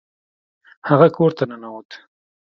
هغه کور ته ننوت.